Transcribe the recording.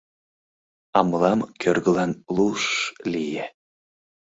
— А мылам кӧргылан луш-ш лие.